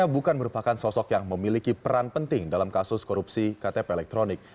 bukan merupakan sosok yang memiliki peran penting dalam kasus korupsi ktp elektronik